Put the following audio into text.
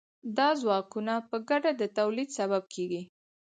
دا ځواکونه په ګډه د تولید سبب کیږي.